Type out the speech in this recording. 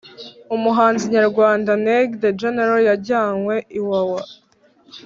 Umuhanzi nyarwanda neg g the general yajyanywe iwawa